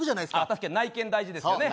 確かに内見大事ですよね